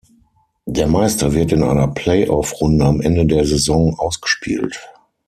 Der Meister wird in einer Play-Off-Runde am Ende der Saison ausgespielt.